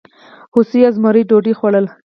هوسۍ او زمري ډوډۍ خوړلې؟